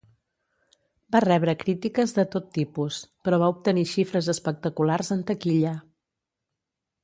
Va rebre crítiques de tot tipus, però va obtenir xifres espectaculars en taquilla.